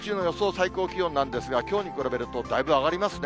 最高気温なんですが、きょうに比べると、だいぶ上がりますね。